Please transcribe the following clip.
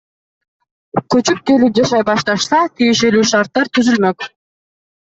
Көчүп келип, жашай башташса, тиешелүү шарттар түзүлмөк.